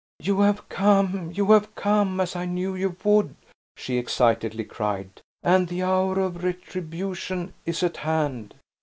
"You have come, you have come, as I knew you would," she excitedly cried, "and the hour of retribution is at hand!"